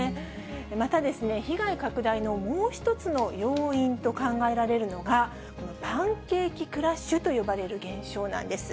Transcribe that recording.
またですね、被害拡大のもう一つの要因と考えられるのが、パンケーキクラッシュと呼ばれる現象なんです。